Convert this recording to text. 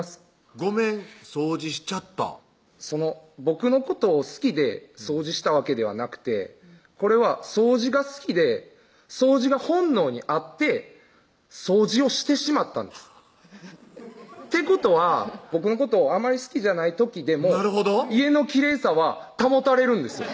僕のことを好きで掃除したわけではなくてこれは掃除が好きで掃除が本能にあって掃除をしてしまったんですってことは僕のことをあまり好きじゃない時でも家のきれいさは保たれるんですよ